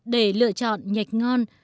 để lựa chọn nhạch ngon